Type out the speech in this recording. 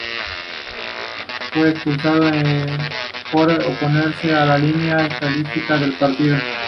Fue expulsado por oponerse a la línea estalinista del partido.